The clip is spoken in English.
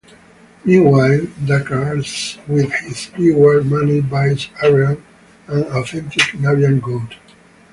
Meanwhile, Deckard with his reward money buys Iran an authentic Nubian goat.